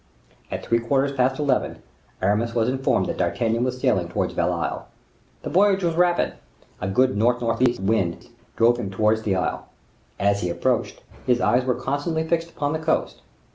At three quarters past eleven, Aramis was informed that D'Artagnan was sailing towards Belle Isle. The voyage was rapid; a good north north east wind drove him towards the isle. As he approached, his eyes were constantly fixed upon the coast.